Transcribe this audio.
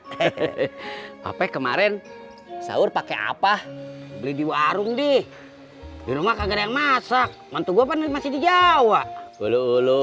hehehe apa kemarin sahur pakai apa beli di warung di rumah kagak masak nanti gua masih di jawa dulu